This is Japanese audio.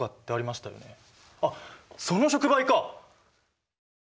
あっその触媒か！